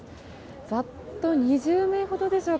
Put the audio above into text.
ざっと２０名ほどでしょうか。